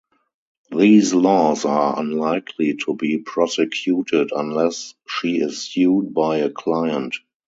These laws are unlikely to be prosecuted unless she is sued by a client.